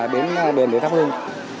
để đến bên đây thắp hương